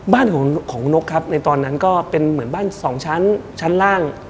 บ้านของนกครับในตอนนั้นก็เป็นเหมือนบ้านสองชั้นชั้นล่าง